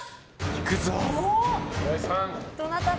行くぞ！